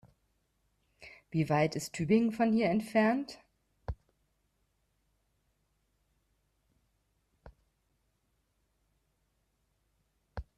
Wie weit ist Tübingen von hier entfernt?